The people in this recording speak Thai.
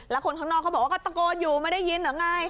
แล้วคนข้างนอกเขาบอกว่าก็ตะโกนอยู่ไม่ได้ยินเหรอไง